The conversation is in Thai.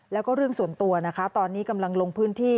แล้วก็เรื่องส่วนตัวนะคะตอนนี้กำลังลงพื้นที่